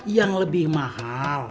yang lebih mahal